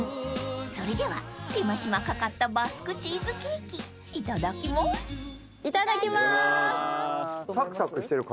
［それでは手間暇かかったバスクチーズケーキいただきます］